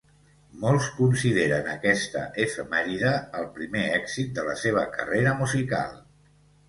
Molts consideren aquesta efemèride el primer èxit de la seva carrera musical.